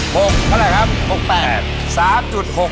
๓๖๘โคโลกรัมนะครับ